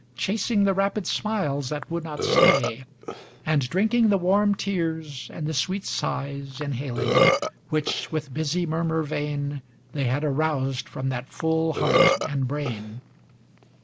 Chasing the rapid smiles that would not stay. And drinking the warm tears, and the sweet sighs Inhaling, which, with busy murmur vain. They had aroused from that full heart and brain.